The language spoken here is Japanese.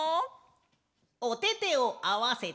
おててをあわせて。